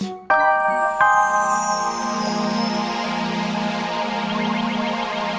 sampai jumpa lagi